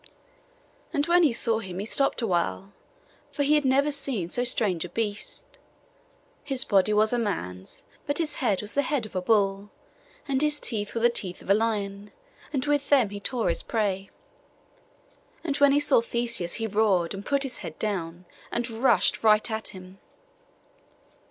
And when he saw him he stopped awhile, for he had never seen so strange a beast. His body was a man's: but his head was the head of a bull; and his teeth were the teeth of a lion, and with them he tore his prey. And when he saw Theseus he roared, and put his head down, and rushed right at him.